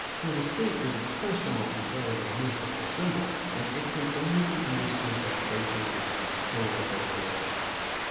For the State is a per sonal as well as a mystical symbol, and it can only be understood by tracing its historical origin.